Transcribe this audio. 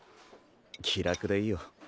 気楽でいいよ。